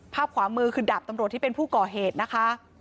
ขวามือคือดาบตำรวจที่เป็นผู้ก่อเหตุนะคะ